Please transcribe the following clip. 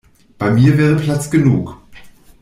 Bei mir wäre Platz genug.